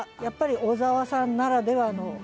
やっぱり小沢さんならではの。